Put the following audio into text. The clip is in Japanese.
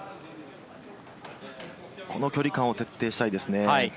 この距離感を徹底したいですね。